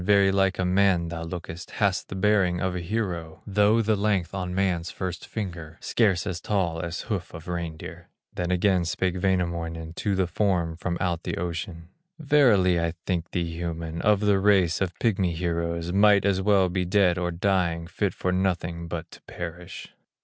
Very like a man thou lookest, Hast the bearing of a hero, Though the length of man's first finger, Scarce as tall as hoof of reindeer." Then again spake Wainamoinen To the form from out the ocean: "Verily I think thee human, Of the race of pigmy heroes, Might as well be dead or dying, Fit for nothing but to perish."